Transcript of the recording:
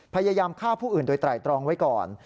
พยายามฆ่าผู้อื่นโดยไตรตรองไว้ก่อน